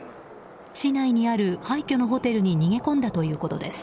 市内にある廃虚のホテルに逃げ込んだということです。